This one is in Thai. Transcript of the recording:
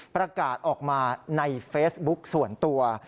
ประกาศออกมาในเฟซบุ๊กส่วนตัว